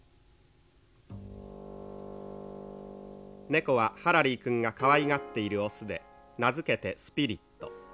「猫はハラリー君がかわいがっている雄で名付けてスピリット。